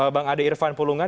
bang ade irfan pulungan